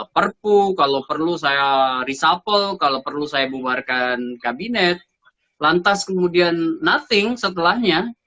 perpu kalau perlu saya reshuffle kalau perlu saya bubarkan kabinet lantas kemudian nothing setelahnya